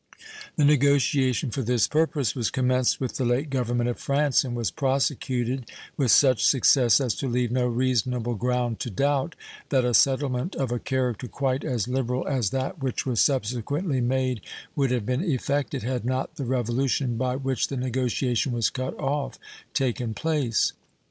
The negotiation for this purpose was commenced with the late Government of France, and was prosecuted with such success as to leave no reasonable ground to doubt that a settlement of a character quite as liberal as that which was subsequently made would have been effected had not the revolution by which the negotiation was cut off taken place.